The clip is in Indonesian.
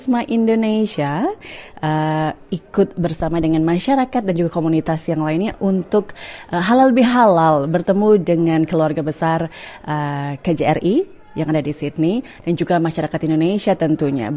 pak konjen fedy kurnia buwana